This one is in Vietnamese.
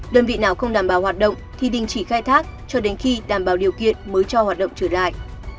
đơn vị nào không đảm bảo hoạt động thì đình chỉ khai thác cho đến khi đảm bảo điều kiện mới cho hoạt động trở lại